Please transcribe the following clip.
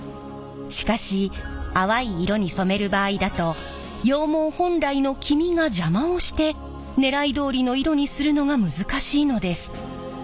しかし淡い色に染める場合だと羊毛本来の黄みが邪魔をしてねらいどおりの色にするのが難しいのです。